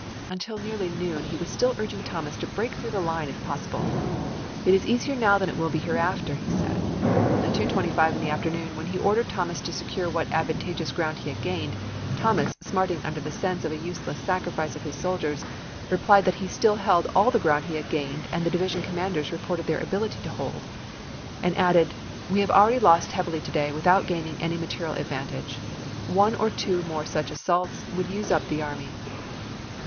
Until nearly noon, he was still ^n0c^duecet urging Thomas to break through the line, if possi ofi865 66ar' ble. " It is easier now than it will be hereafter," supple . merit, he said. At 2 : 25 in the afternoon, when he ordered p 9? Thomas to secure what advantageous ground he had gained, Thomas, smarting under the sense of a useless sacrifice of his soldiers, replied that he 24 ABRAHAM LINCOLN chap. i. still held all the ground he had gained and the di vision commanders reported their ability to hold, ^TrSyrofe' and added, " we have already lost heavily to day beriand." without gaining any material advantage. One or p. io3.'' two more such assaults would use up this army."